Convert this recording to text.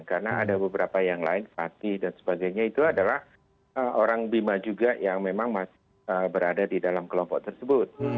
karena ada beberapa yang lain fatih dan sebagainya itu adalah orang bima juga yang memang masih berada di dalam kelompok tersebut